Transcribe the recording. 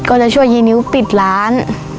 ก็จะช่วยยีนิ้วปิดร้าน